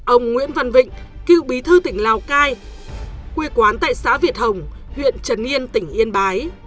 ông nguyễn văn vịnh cựu bí thư tỉnh lào cai quê quán tại xã việt hồng huyện trần yên tỉnh yên bái